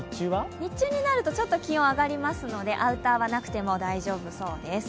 日中になると気温が上がりますので、アウターがなくても大丈夫そうです。